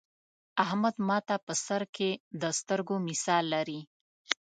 احمد ماته په سر کې د سترگو مثال لري.